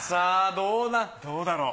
どうだろう。